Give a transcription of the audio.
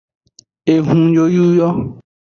Ehun yoyu yo.